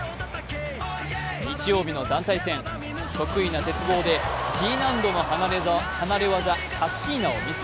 日曜日の団体戦、得意な鉄棒でＧ難度の離れ技、カッシーナをミス。